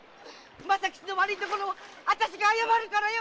政吉の悪いところはあたしが謝るからよ！